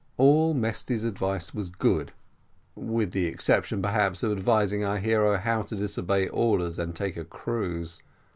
All Mesty's advice was good, with the exception perhaps of advising our hero how to disobey orders and take a cruise.